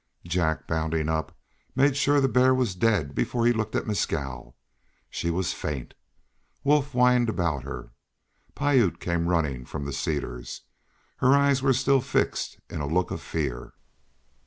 Jack, bounding up, made sure the bear was dead before he looked at Mescal. She was faint. Wolf whined about her. Piute came running from the cedars. Her eyes were still fixed in a look of fear.